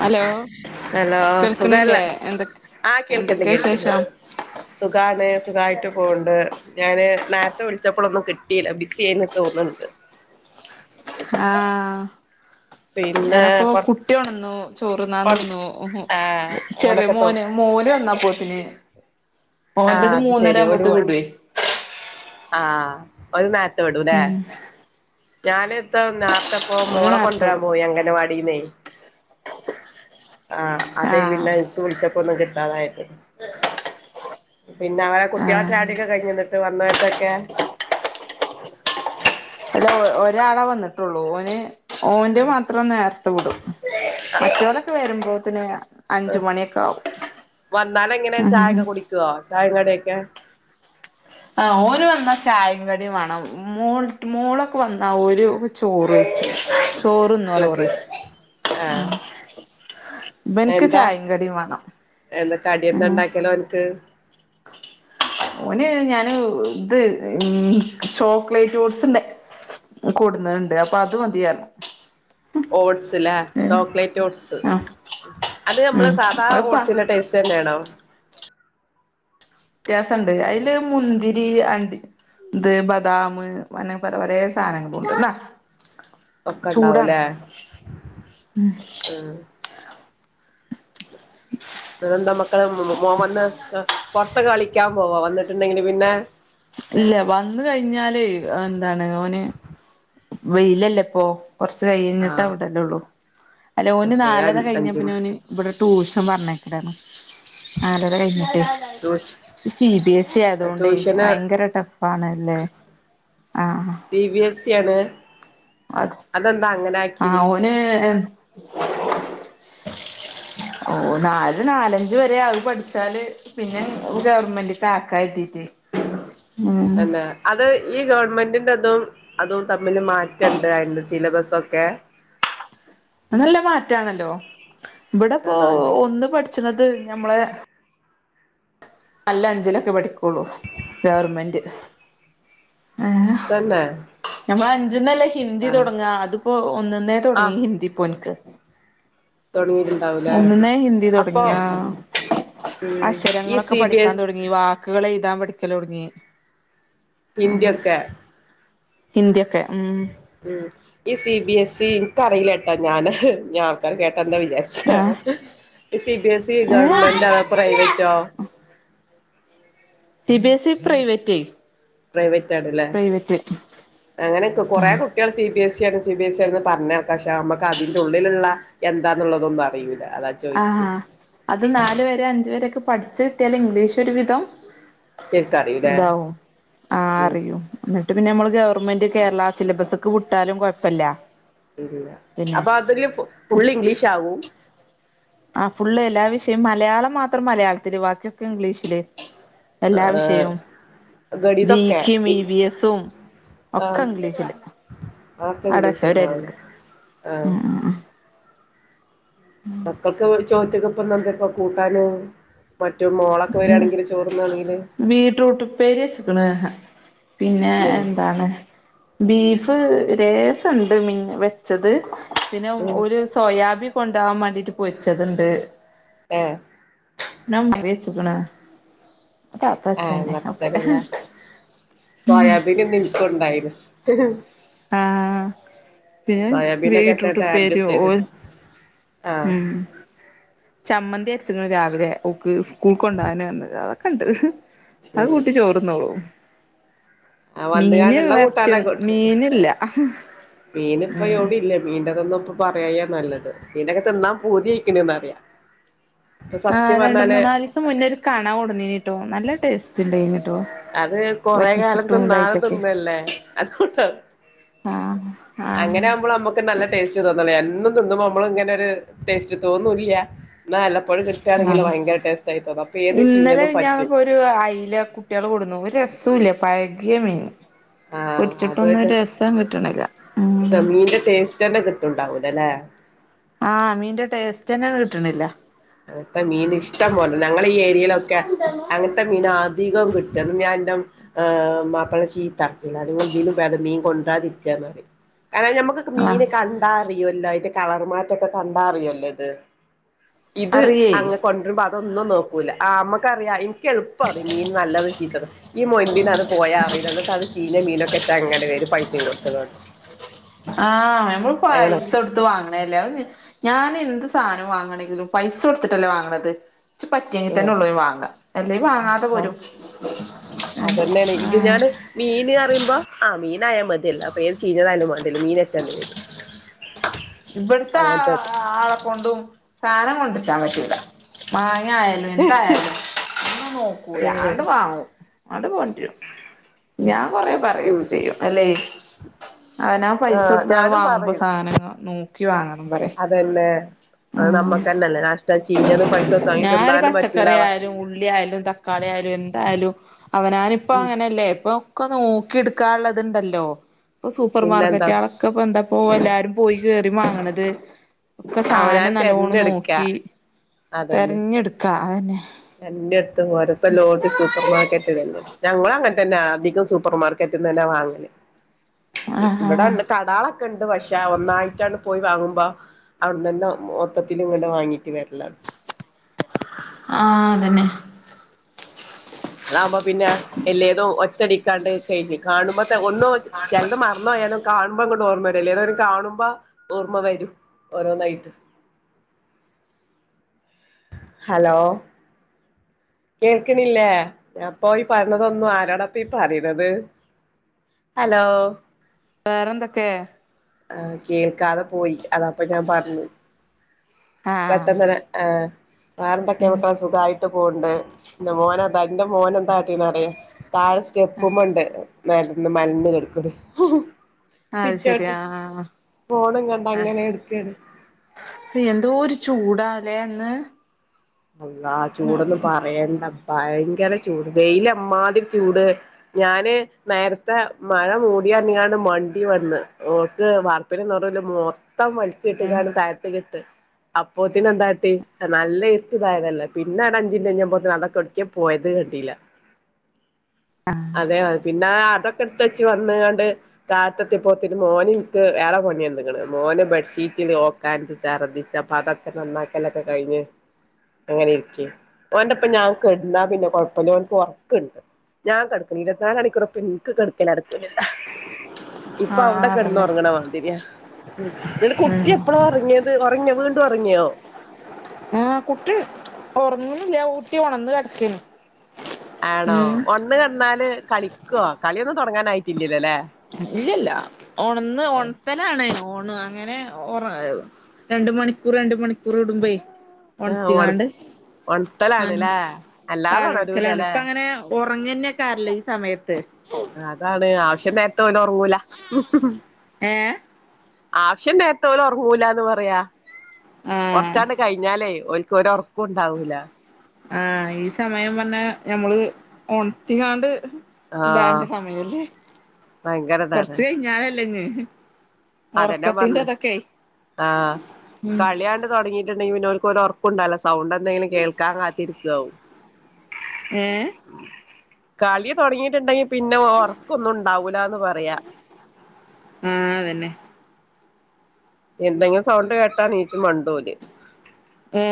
Hello hello സുഖല്ലെ കേൾക്കണില്ലേ എന്തൊക്കെ ആ കേൾക്ണ്ട് എന്തൊക്കെ കേൾക്ണ്ട് വിശേഷം സുഖാണ് സുഖായിട്ട് പോണ്ട് ഞാന് നേർത്തെ വിളിച്ചപ്പോളൊന്നും കിട്ടിയില്ല ബിസിയെന്ന് തോന്ന്ണ്ട് ആ പിന്നെ ഞാനപ്പോ കൊറ കുട്ടിയൊണ്ന്നു ചോറ്ന്നാ നിന്നു ആ ചെറിയ അങ്ങനൊക്കെ തോ മോന് മോന് വന്നപോത്തിന് ആ ഓന്റത് അത് മൂന്നര ശരി ഒരു ആവുമ്പോത് വിടും ആ ഓന് നെരത്തെ വിടൂല്ലെ ഞാന ഇത്ര ന്നപ്പോ ഓന് മോളെ നേരത്തെ കൊണ്ടുവരാൻ വിടും പോയി അംഗനവാടിന്ന് ആ അതേ ആഹ് പിന്നെ ഇൻക്ക് വിളിച്ചപ്പൊന്നും കിട്ടാതായത് പിന്നെ അവരെ കുട്ടികളെ ആഹ് ചായൊടിയൊക്കെ കഴിഞ്ഞന്നിട്ട് വന്നോര്തൊക്കെ അല്ല ഒരാള വന്ന്ട്ടുള്ളൂ ഓന് ഓന്റെ മാത്രം നേർത്ത വിടും മറ്റവരൊക്കെ വരുമ്പോത്തിന് അഞ്ച് മണിയൊക്കെ ആവും വന്നാലെങ്ങനെ ചായൊക്കെ ഉം കുടിക്കുവോ ചായിം കടിയൊക്കെ ആ ഓന് വന്നാ ചായിം കടിം വേണം മോൾ മോളൊക്കെ വന്നാ ഒരു ചോറ് വെയ്ച്ചു ചോറ്ന്നോലൊക്കെ ചോറ് ആഹ് ബൻക്ക് എന്താ ചായിം കടിം വാണം എന്താ കടിയെന്താ ഉം ഉണ്ടാക്കല് ഓൻക്ക് ഓന് ഞാന് ത് ചോക്ലേറ്റ് ഓഡ്സ്ണ്ട കൊട്ന്നണ്ട് അപ്പൊ അത് മതിയറ് ഓട്സ്ലേ ലെ ചോക്ലേറ്റ് ഓട്സ് ആഹ് അത് നമ്മളെ ഉം സാധാ അത്പ്പ ഓട്സിന്റെ ടേസ്റ്റ്ന്നേണോ വ്യത്യാസണ്ട് അയ്ല് മുന്തിരി അണ്ടി ത് ബദാം അങ്ങനെ പലപലേ സാധനങ്ങളുണ്ട് ന്നാ ഒക്കെ ചൂടാണ് ഉണ്ടാവൂല്ലേ ഉം ആഹ് എന്ത മക്കള് മോൻ വന്ന് പൊറത്ത് കളിക്കാൻ പോവാ വന്നിട്ടുണ്ടെങ്കില് പിന്നെ ഇല്ല വന്ന കഴിഞ്ഞാല് എന്താണ് ഓന് വെയിലല്ലേ ഇപ്പോ കുറച്ച് കഴിഞ്ഞിട്ട് ആഹ് അവിടെല്ലേ ഉള്ളൂ അല്ല ഓന് അത് ശരി നാലെര കഴിഞ്ഞ അഞ്ചും പിന്നെ ഓന് ഇബടെ റ്റു പറഞ്ഞയക്കലാണ് നാലെര കഴിഞ്ഞിട്ട് ട്യൂഷ സി ബി എസ് സി ആയത് കൊണ്ടേ ട്യൂഷന് ഭയങ്കര ടഫ്ണല്ലേ സി ബി എസ് സി അതെ ആ അങ്ങനാക്കി ഓന് ഓന് നല് ഒര് നാലഞ്ച് വരെ ആവ് പഠിച്ചാല് പിന്നെ ഗവർ മെന്റിൽ ക്കാക്കാ കരുതീട്ടെ തന്നെ അത് ഈ ഗവൺമെന്റിന്റെതും അതും തമ്മില് മാറ്റണ്ട് അയിന്റെ സിലബസൊക്കെ നല്ല മാറ്റാണല്ലോ ഇബ്ടെപ്പോ ആണോ ഒന്ന് പഠി ച്ച്ണത് ഞമ്മളെ അല്ല അഞ്ചിലൊക്കെ പഠിക്കൊള്ളു ഗവർമെന്റ് തന്നെ അഞ്ചിന്നല്ലെ ഹിന്ദി ആഹ് തൊടങ്ങ അതിപ്പോ ഒന്നിന്നേ തൊടങ്ങി ആഹ് ഹിന്ദി ഇപ്പോ ഓന്ക്ക് തൊടങ്ങിയിട്ടുണ്ടാവൂലേ ഒന്നിന്നെ ഹിന്ദി അപ്പൊ തുടങ്ങിയാ ഉം ഈ അഷരങ്ങളൊക്കെ സി ബി പഠിക്കാൻ എസ് തൊടങ്ങി വാക്കുകൾ എഴുതാൻ പഠിക്കല് തൊടങ്ങി ഹിന്ദിയൊക്കെ ഹിന്ദിയൊക്കെ ഉം ഉം ഈ സി ബി എസ് സി ഇനിക്ക്റിയില്ലട്ടൊ ഞാന് ഇനി ആൾക്കാര് കേട്ട ന്താ വിചാരിച്ചെന്നാവോ ആഹ് ഈ സി ബിഎസ് സി ഗവൺമെന്റ് അതൊ ഏഹ് പ്രൈവറ്റോ സി ബി എസ് ഇ പ്രൈവററ്റേ പ്രൈവറ്റ് ആണ്ലെ അങ്ങനെക്ക കൊറേ കുട്ടികൾ സി ബിഎസ് സി ആണ് സി ബി എസ് സി ആണ് പറഞ്കേൾക്കാം ഷേ ഞമ്മക്ക് അതിന്റെ ഉള്ളിലുള്ള എന്താന്നുള്ളതൊന്നും അറിയൂല അതാ ആ ചോയിച്ചെ അത് നാല് വരെ അഞ്ച് വരെക്കെ പഠിച്ച് കിട്ടിയാല് ഇംഗ്ലീഷ് ഒരു വിധം ശരിക്കറിയൂലേ ഇതാവും ആ അറിയും എന്നിട്ട് പിന്നെ ഞമ്മള് ഗവൺമെന്റ് കേരള സിലബസ്സ്ക്ക് വിട്ടാലും കൊഴപ്പല്ല ഇല്ല അപ്പൊ അതില് ഫു ഫുള്ള് ഇംഗ്ലീഷ് ആവും ആ ഫുള്ള് എല്ലാ വിഷയം മലയാളം മാത്രം മലയാളത്തില് ബാക്കിയൊക്കെ ഇംഗ്ലീഷില് എല്ലാ ഏഹ് വിഷയോം ജി കേം ഇ വി എസും ഒക്കെ ആഹ് ഇംഗ്ലീഷില് അതൊക്കെ അടച്ചഒര് ഇംഗ്ലീഷെന്നാവല്ലോ അരുല് ആഹ് ഉം മക്കൾക്ക് ചോറ്റകപ്പന്ന് എന്താഇപ്പ കൂട്ടാന് മറ്റു മോളൊക്കെ ഉം വരാണെങ്കില് ചോറ്ന്നാണെങ്കില് ബീറ്റ് റൂട്ട് ഉപ്പേരി വെച്ചിക്ക്‌ണ് പിന്നെ ഞ് എന്താണ് ബീഫ് രേസണ്ട് മിൻ വെച്ചത് പിന്നെ ഉം ഒര് സോയാബി കൊണ്ടോവാൻ വാണ്ടിട്ട് പൊരിച്ചത്ണ്ട് എ ന്ന മറിച്ച്ക്ക്ണ് ‌ ആഹ് മത്തനെല സോയാബിൻ ഇന്നി ഇനിക്കുണ്ടായിര് ആഹ് പിന്നെ ബീറ്റ് റൂട്ട് സോയാബീനൊക്കെട്ടാട്ട് ഉപ്പേരിയൊ അഡ്ജസ്റ്റ് ഓ ചെയ്ത് ആഹ് ഉം ചമ്മന്തി അരച്ചിക്ക്‌ണ് രാവിലെ ഓക്ക് സ്കൂൾക്ക്‌ കൊണ്ടോവാന് റഞ് അതൊക്കെ ഉണ്ട് അത് കൂട്ടി ചോറ്ന്നോളും ആ മീന് വന്നുകാണ്ടുള്ള എറച്ചി കൂട്ടാനെക്കെ കൊടുക്കും മീനില്ല മീനിപ്പ എവിടെം ഇല്ല മീന്റെതൊന്നും ഇ പറയായി നല്ലത് മീൻ ഒക്കെ തിന്നാ പൂതി ആയിക്ക്ണ്ന്ന്റിയാം ആ രണ്ട് മൂന്നാല് ദിവസം മുന്നേ ഒരു കണ കൊടുന്നീന്ട്ടോ നല്ല ടേസ്റ്റ് ഉണ്ടായിന് അത് കൊറെ കാലം തിന്നാതെ ഇതായിട്ടൊക്കെ തിന്നല്ലേ അതുകൊണ്ട ആഹ് ആഹ് അങ്ങനെ ആകുമ്പോ നമ്മുക്ക് നല്ല ടേസ്റ്റ് തോന്നുള്ള എന്നും തിന്നുമ്പോ നമ്മള് ഇങ്ങനെ ഒരു ടേസ്റ്റ് തോന്നൂല്ല ന വല്ലപ്പോഴും കിട്ടാണെങ്കിൽ ആഹ് ഭയങ്കര ടേസ്റ്റ് ആയിത്തോന്ന അപ്പൊ ഏത് ഇന്നലെ ചീഞ്ഞതും പറ്റും ഒരുറസുല്ല പയഗിയമീന് ആ അധോരു കിട്ട്ണില്ല ഉം രസമീന്റെ ടേസ്റ്റ് തന്നെ കിട്ടണ്ടാവൂല ഇല്ലേ ആ മീന്റെ ടേസ്റ്റ് തന്നെയ കിട്ടണില്ല അങ്ങത്തെ മീൻ ഇഷ്ടം പോലെണ്ട് ഞങ്ങള ഈ ഏരിയയിലൊക്കെ അങ്ങനത്തെ മീനാ അധികം കിട്ട ന്ന് ഞാൻ എന്റെ മോ ആ മാപ്പളനെ ചീത്ത പറച്ചിൽ നിങ്ങൾ ദിനും വേദം മീൻ കൊണ്ടാതിരിക്കന്ന്പറിമം കാരണം നഞമ്മക്ക് മീൻ ആഹ് കണ്ടാറിയുമല്ലോ അതിന്റെ കളർമാറ്റൊക്കെ കണ്ടാ അറിയല്ലോ ഇത് ഇത് അറിയേ അങ്ങ് കൊണ്ടുവരുമ്പോ അതൊന്നും നോക്കൂല്ല അ മ്മക്കറിയാം ക്ക് എളുപ്പം അറിയും മീൻ നല്ലതും ചീത്തതും ഈ മോയന്തിന് അത് പോയ അറിയില്ല എന്നട്ട് അത് ചി ചീഞ്ഞ മീനൊക്കെ റ്റ് അങ്ങനെ വരും പൈസയും കൊടുത്തതണ്ട് ആ നമ്മള് പൈസ കോടുത്ത് വാങ്ങണല്ലേ അധ് ഞാൻ എന്ത് സാധനം വാങ്ങണമെങ്കിലും പൈസ കൊടുത്തിട്ടല്ലേ വാങ്ങണത് ഇച്ച് പറ്റിയെങ്കിൽ തന്നെ ഉള്ളൂ വാങ്ങാം അ അതന്നെയാണ് ഇത് ഞാന് മീന് പറയുമ്പോ അ മീൻ മീനആയാ മതിയല്ലഅപ്പേ ഏത് ചീനാഥയാലും മണ്ടില്ല മീനൊറ്റണ്ട് വരും ഇവിടത്തെ അങ്ങനത്തെത് ആളെ കൊണ്ടും സാധനം കൊണ്ടറിച്ചാൻ പറ്റുല്ല മാ അങ്ങ ആയാലും എന്തായാലും ഒും നോക്കൂല ഉം അണ്ട് വാങ്ങൂ ആൻഡ് കൊണ്ടുറും ഞാൻ കൊറെ പറയും ഉം ചെയ്യും അല്ലേ അവനാ ആ പൈസ കൊടുത്താണ്ട് ഞാനും വാങ്ങുമ്പോ സാധനങ്ങൾ നോക്കി വാങ്ങ അതെന്നെ അത് നമ്മക്കന്നെല്ലേ നഷ്ടം ചീഞ്ഞതും പൈസ കൊടുത്ത് വാങ്ങി ഞാനൊരു തിന്നാനും പറ്റൂല അവ ാല എന്തായാലും അവനാനിപ്പ അങ്ങനെയല്ലേ ഇപ്പൊ ഒക്കെ നോക്കി എടുക്കാള്ളത്ണ്ടല്ലോ ഇപ്പൊ സൂപ്പർ പിന്നെന്താ മാർക്കറ്റളൊക്കെ ഇ എന്താ ഇപ്പോ എല്ലാരും പോയി കറി വാങ്ങണത് ഒക്കെ അവനാൻ സാധനം നല്ലണം തെരഞ്ഞെടുക്ക നോക്കി തെരഞ്ഞെടുക്കാ ആന്നെ തെരന്നെടുത്ത പോരഇപ്പ എല്ലോട്ത്തും സൂപ്പർ മാർക്കറ്റ് അല്ലെ ഞങ്ങ അങ്ങന അധികം സൂപ്പർ മാർക്കറ്റിൽന്ന്ന്നെ വാങ്ങൽ ആഹ് ഇവിടെ ആഹ് കടാള ണ്ട് പക്ഷേ ഒന്നായിട്ടാണ് പോയി വാങ്ങുമ്പോ [unintelligible] ആഅതന്നെ അതവുമ്പോ പിന്നെ എല്ലേതും ഒറ്റടിക്കാണ്ട് കഴിഞ്ഞ് കാണുമ്പോത്തെ ഒന്നോ ചിലത് മറന്ന് മറന്നോ പോ എന്ധെലും കാണുമ്പോ ഇങ്ങോട്ട് ഓർമ്മ വരുംല്ലേ ഏതോരും കനുമ്പോ ഓർമ്മ വരും ഓരോ നായിട്ട് [inaudible] ഹലോ കേൾക്കണില്ലേ ഞാൻപ്പോ ഈ പറഞ്ഞതൊന്നു ആരോടപ്പ ഈ പറയത് ഹലോ വേറെന്തൊക്കെ അ കേൾക്കാതെ പോയി അതാപ്പൊ ഞാൻ പറഞ്ഞു ആഹ് പെട്ടെന്നെ ആ വേറെ എന്തൊക്കെയ മക്കളെ സുഖമായിട്ട് പോകണ്ട് എന്റെ മോന എന്താ എന്റെ മോന എന്താ റ്റ് പറയതാഴെ സ്റ്റെപ്പുമ്പണ്ട് നേരന്ന് മലന്ന് കെടുക്കുന്നു അത് ശരി സിറ്റൗട്ടിൽ ആഹ് ഫോണും കണ്ട് അങ്ങനെ കെടുക്കാണ് എന്തോരു ചൂടാ അല്ലേ ഇന്ന് അള്ളഹ ചൂടൊന്നും പറയണ്ട ഭയങ്കര ചൂട് വെയിൽ അമ്മാതിരി ചൂട് ഞാന് നേരത്തെ മഴ മൂടി ന്ന് പറഞ്ഞ് കണ്ട് മണ്ടി ഇവട്ന്ന് ഓക്ക് വാർപ്പിന്റെ നേരുൽ മോ ത്തം വലിച്ച് ഇട്ടുകാണ്ട് തായത്ത്ക്ക്ട്ട് അപ്പോത്തിനെന്താട്ടി നല്ല ഇതായതല്ലേ പിന്നെ അടെ അഞ്ചിൻറ്റ് കഴഞ്ഞപ്പോത്തിന് അതൊക്കെ ഒട്ക്കെ പോയത് കണ്ടീല്ല അതെ [unintelligible] പിന്നെ ആ തൊക്കെ ഇട്ത്ത് വച്ച് വന്ന്കാണ്ട് താത്ത എത്തിയേപ്പോത്തിനും മോന് ഇൻക്ക് വേറെ പണി തന്ന്ക്ണ് മോന് ബെഡ് ഷീ റ്റ്ല് ഓക്കാൻച്ച് ചർദ്ദിച്ച് അപ്പൊ അതൊക്കെ നന്നാക്കലൊക്കെ കഴിഞ്ഞ് അങ്ങനെ ഇരിക്കെനി ഓന്റെ പ്പം ഞാൻ കെടുന്നാ പിന്നെ കൊഴപ്പല്ല ഓൻ ക്ക് ഒറക്കണ്ട് ഞാൻ കടക്ക്ണ് ഇരുപത്തിനാല് മണിക്കൂറു ഇപ്പം ഇൻക്ക് കടക്കല് നടക്കൂ ലല്ലോ ഇപ്പൊ അവിടെ ആഹ് കെടന്ന് അതന്നെ ഒറങ്ങണ ഓൻ എന്തിനാ ഉം ഇന്നട്ട് കുട്ടി ഉം എപ്പളാ ഒറങ്ങിയത് ഒറങ്ങിയോ വീണ്ടും ഒറങ്ങിയോ ആഹ് കുട്ടി ഒർങ്ങ്ണില്ല കുട്ടി ഒൺന്ന് കെടക്കേനു ആണോ ഒണ്ന്ന് കടന്നാല് കളിക്കോ കളിയൊന്നും തുടങ്ങനായിട്ടി ഇല്ലല്ല ഒണന്ന് ഒൺത്തലാണ്. ഒ ന്നും അങ്ങനെ ഓ രണ്ട് മണിക്കൂർ രണ്ട് മണിക്കൂർ കൂടുമ്പേ ആഹ് ഒൺ ഒണത്തികാണ്ട് ആ ഒൺത്തലാണ്ല്ലേ അല്ലാതെ പാലടുക്കലാണ് ഒണരൂലല്ലേ ഇപ്പ അങ്ങനെ ഉറങ്ങന്നെ കാരല്ല ഈ സമയത്ത് അതാണ് ആവശ്യം നേരത്തെ ഓല് ഒറങ്ങൂല ഏഹ് ആവശ്യം നേരത്തെ ഓല് ഒറങ്ങൂലന്ന് പറയാ ആഹ് കൊറച്ചാണ്ട് കഴിഞ്ഞാലേ ഓൽ ക്കൊര് ഒറക്കും ഉണ്ടാവൂല ആ ഈ സമയം പറഞ്ഞ ഞമ്മള് ഒണത്തികാണ്ട് ഹ് ആഹ് ഇണ്ടാവണ്ട്യ സമയല്ലേ ഭയങ്കരതാണ് കൊറച്ച് കഴിഞ്ഞാലല്ലേ ഞ്ഞ് അതന്നാ പറഞ്ഞ് ആ ഉം കളിയാണ്ട് തുടങ്ങിട്ട് ണ്ടെങ്കി പിന്നെ ഓൽക്ക് ഒരൊറക്കുണ്ടാവുല്ല സൗണ്ട് എന്തെങ്കിലും കേൾക്കാൻ കാത്തിരിക്കാവും ഏ കളി തുടങ്ങീട്ട്ണ്ടെങ്കി പിന്നെ ഒർക്കൊന്നും ഉണ്ടാവൂലാന്ന് പറയാ ആ അതന്നെ എന്തെങ്കിലും സൗണ്ട് കേട്ടാ നീച്ച് മണ്ടും ഓല് ഏ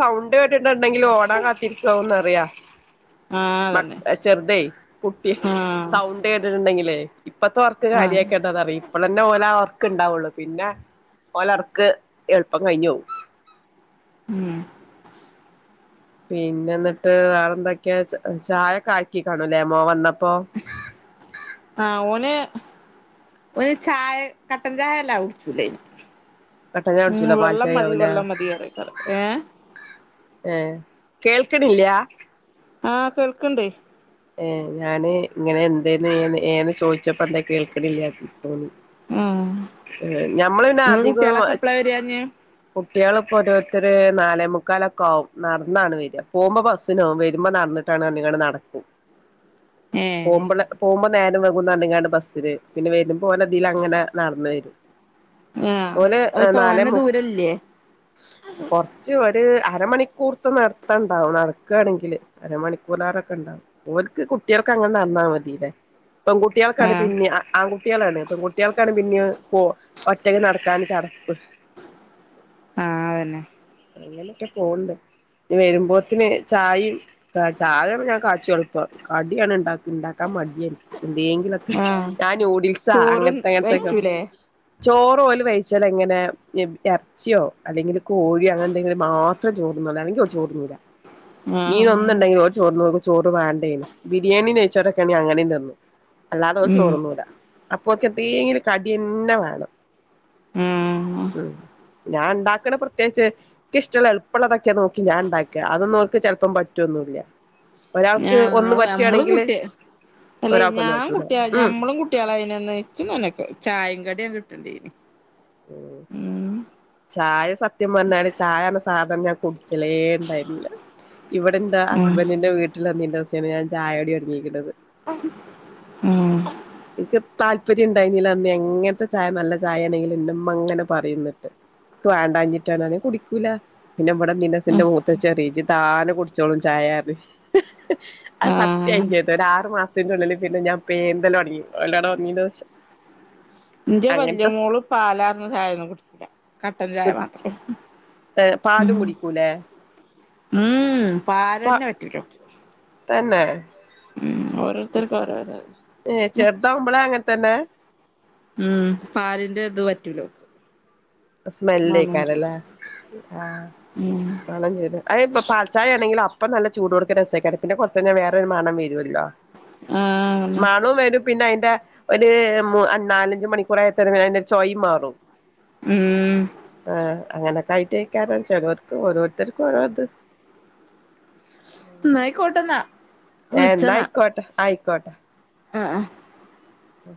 സൗണ്ട് കേട്ടിട്ടുണ്ടെങ്കിൽ ഓടാൻ കാത്തിരിക്കാവുന്നറിയാ ആ മ അതന്നെ ചെറുതെ കുട്ടി ആ സൗണ്ട് കേട്ടിട്ട് ണ്ടെങ്കിലേ ഇപ്പത്തെ ഒർക്ക് ആ കാര്യക്കണ്ടന്നറിയ് ഇപ്പളന്നെ ഓലാ ഒർ ക്ക് ഇണ്ടാവുള്ളു പിന്നെ ഓലൊർക്ക് എളുപ്പം കഴിഞ്ഞോവും ഉം പിന്നെ എന്നിട്ട് വേറെ എന്തൊക്കെ ചായക്കെ ആക്കി കാണൂലേ മോൻ വന്ന ആ ഓന് ഓന് ചായ കട്ടൻ ചായ വല്ലാത കുടിച്ചൂലയ്ന് കട്ടൻ ചായ കുടിച്ചൂല പാൽച്ചായ ആവൂലെ മതി പറയ്ക്കാരം ഏ ഏ കേൾക്ണില്ലാ ആ കേൾക്ക്‌ണ്ടേ ഏ ഞാന് ഇങ്ങനെ എന്തേന്ന് ഏന്ന് ചോയി ച്ചപ്പന്താ കേൾക്ക്‌ണില്ല തോന്നി ആ ഏ ഞമ്മൾ പിന്നെ ഇങ്ങളെ അധികം കുട്ട്യാളൊക്കെ എപ്പളാ വരാഞ്ഞ് കു ട്ടിളിപ്പൊ ഓരോരുത്തര് നാലേ മുക്കാലൊക്കെ ആവും നടന്നാണ് വര് പോവുമ്പം ബസ്സിനാവും വരുമ്പ നടന്നിട്ട ക്കാണ്ർഞ്ഞ്ക്കാണ്ട് നടക്കും ഏ പോവ്മ്പളെ പോവ്മ്പ നേരം വെകുന്നർഞ്ഞ്കാണ്ട് ബസ്സിന് പിന്നെ വരുമ്പം ഓലെ ഇതിലങ്ങനെ നടന്ന് വരും ആ ഓല് അത് നാലെ തോനെ മു ദൂരല്ലേ കൊറച്ച് ഒരു അ രമണിക്കൂർത്ത നടത്തണ്ടാവും നടക്കാണെങ്കില് അരമണിക്കൂർ ലാറെക്കെ ഉണ്ടാവും ഓൽക്ക് കുട്ടിയെൾക്ക് അങ്ങനെ നടന്നാൽ മതില്ലെ ആ പെൺകുട്ടിയെൾക്കാണ് പിന്നിം അ ആ കുട്ടിളാണ് പെൺ കുട്ടിയെൾക്കാണ് പിന്നിം കോ ഒറ്റക്ക് നടക്കാന് ചടപ്പ് ആ ഉം അതന്നെ അങ്ങനെ ക്കെ പോവ്ണ്ട് ഇഞ്ഞ് വരുമ്പോത്തിന് ചായിം ചായനെ ഞാൻ കാച്ചൊള്ളു ഇപ്പൊ കടിയാണ് ഉണ്ട ഉണ്ടാക്കാൻ മടിയാ എനിക്ക് ആ [unintelligible] ഞാൻ നൂഡിൽസാ ചോറ് അങ്ങനത്തെ അങ്ങനത്തക്കെ കഴിച്ചൂലേ ചോറോല് ച്ചൽ എങ്ങനെ ഇറച്ചിയോ അല്ലെങ്കിൽ ഇറച്ചിയോ കോഴിയോ അങ്ങനെ എന്തെങ്കിലും മാത്രം ചോറുന്നുള്ളൂ അല്ലെങ്കി ചോറുന്നൂല. ആ മീന് ഒന്നുണ്ടെങ്കിൽ ഓര് ചോറിനോട് ചോറ് വേ ണ്ടായിന് ബിരിയാണിയും നെയ്യ്ച്ചോറൊക്കെ ആണെങ്കിൽ അങ്ങനേം തിന്നും അല്ലാതെ അവൻ ഉം ചോറുണ്ണൂല്ല അപ്പോത്തേക്കിനും കടി തന്നെ വേണം ഏഹ് ഉം ഞാൻ ഉണ്ടാക്കണ പ്രത്യേകിച്ച് നിക്ക് ഇഷ്ടമുള്ള എളുപ്പമുള്ളതൊക്കെ നോക്കി ഞാൻ ഉണ്ടാക്കാ അതൊന്നും ഓക്ക് ചിലപ്പം പറ്റോ ഒന്നൂല്ല ഒരാൾ [unintelligible] നമ്മളും കുട്ടിയാ അല്ലെ ഒരാൾക്കൊന്നും ഞാൻ പറ്റൂല കുട്ടിയ ഉം ഞമ്മളും കുട്ടികളായിനന്ന് ഇനിക്ക് ചായ കടിയാ [unintelligible] ഉം ഉം ചായ സത്യം പറഞ്ഞാല് ചായാന്നറഞ്ഞ സാധനം ഞാൻ കുടിച്ചലേ ഉണ്ടായിരുന്നില്ല. ഇവിടെ ഇന്റെ ആഹ് ഹസ്ബൻ്റിൻ്റെ വീട്ടില് വന്നേൻ്റെശേഷാണ് ഞാൻ ചായൊടി തൊടങ്ങിക്കണത് ഏഹ് ഇൻക്ക് താല്പര്യം ഇണ്ടായിരുന്നില്ല അന്ന് എങ്ങനത്തെ ചായ നല്ല ചായയാണെങ്കിലും ഇന്നെ ഉമ്മ ഇങ്ങനെ പറയും ഇന്നിട്ട്. ക്ക് വാണ്ടാഞ്ഞിട്ടാണ് കുടിക്കൂല പിന്നെമ്മടെ നനസിന്റെ ആഹ് മൂത്തെ ചെറീജി താനെ കുടിച്ചോളും ചായ. [unintelligible] അത് സത്യാവോം ആഹ് ചെയ്ത്, ഒരു ആറു മാസത്തിൻ്റുള്ളില് പിന്നെ ഞാൻ പേന്തല് തൊടങ്ങി. ഓലാടെ വന്നീൻ്റെ ശേഷം ഇന്റെ വലിയ അങ്ങനത്തെ മോള് പാലാർന്ന ചായൊന്നും കുടിക്കൂല കട്ടൻ ചായ മാത്രം. പാലും കുടിക്കൂലേ? ഉം പാലന്നെ [unintelligible] തെന്നെ ഉം ഓരോരുത്തർക്ക് ഓരോര ഏഹ് ചെറുതാവുമ്പളെ അങ്ങനെത്തന്നെ? ഉം പാലിന്റെ ഇത് പറ്റൂലോ സ്മെല്യിക്കാരല്ലേ ആ ഉം [unintelligible] ചെയ്ത് അത് ഇപ്പൊ പാൽച്ചായ ആണെങ്കില് അപ് ഇപ്പ നല്ല ചൂടോടുക്കനെ രസാ [unintelligible] കൊറച്ചയിഞ്ഞാ വേറൊരു മണം വെരുവല്ലോ? ഉം അങ്ങനെ പിന്നെ അതിന്റെ ഒരു നാലഞ്ച് മണിക്കൂറായത്തേരെ അതിന്റെ ഒരു ചോയ് മാറും. ഉം ആഹ് അങ്ങനൊക്കെ ആയിട്ടായി [unintelligible] ചെലോർക്ക് ഓരോരുത്തർക്കും ഓരോ ഇത്. ഇന്നായിക്കോട്ടെന്നാ ഏഹ് ഇന്നാ ആയിക്കോട്ടെ ആയിക്കോട്ടെ ഉം ഉം ഉം